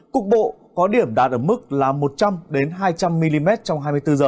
cục bộ có điểm đạt ở mức là một trăm linh hai trăm linh mm trong hai mươi bốn h